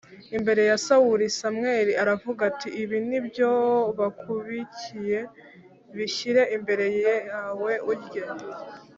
imbere ya Sawuli Samweli aravuga ati ibi ni ibyo bakubikiye Bishyire imbere yawe urye